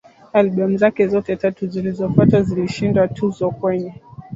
Albamu zake tatu zilizofuata zote zilishinda tuzo kwenye